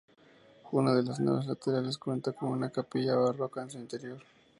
Una de las naves laterales cuenta con una capilla barroca en su interior.